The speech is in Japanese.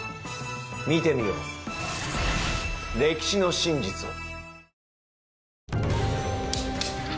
見てみよう歴史の真実を。